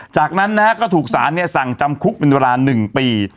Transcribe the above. จากนั้นนะฮะก็ถูกสารสั่งจำคุกเป็นเวลา๑ปี